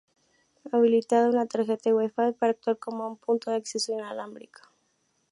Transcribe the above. Habilitaba una tarjeta Wi-Fi para actuar como un punto de acceso inalámbrico.